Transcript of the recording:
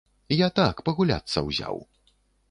Я так, пагуляцца ўзяў.